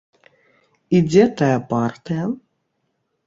І дзе тая партыя?